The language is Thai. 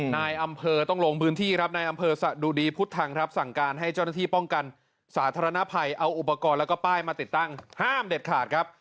นายอำเภอต้องลงพื้นที่ครับนายอำเภอสะดุดีพุทธังครับสั่งการให้เจ้าหน้าที่ป้องกันสาธารณภัยเอาอุปกรณ์แล้วก็ป้ายมาติดตั้งห้ามเด็ดขาดครับ